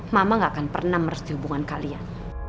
mama gak akan pernah meres di hubungan kalian